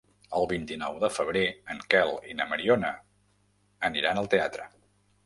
El vint-i-nou de febrer en Quel i na Mariona aniran al teatre.